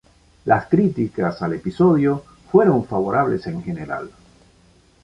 Las críticas al episodio fueron favorables en general.